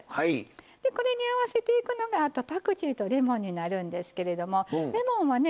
これに合わせていくのがあとパクチーとレモンになるんですけれどもレモンはね